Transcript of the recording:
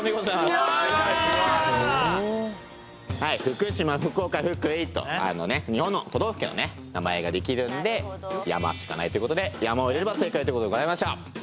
福島福岡福井と日本の都道府県の名前が出来るんで「山」しかないということで「山」を入れれば正解ということでございました。